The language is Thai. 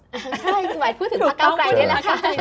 ใช่ไม่พูดถึงพระเกาะไกลเลยนะ